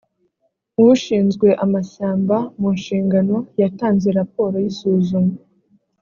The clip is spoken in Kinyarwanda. ushinzwe amashyamba mu nshingano yatanze raporo y isuzuma